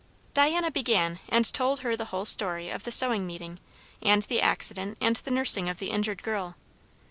Diana began and told her the whole story of the sewing meeting and the accident and the nursing of the injured girl.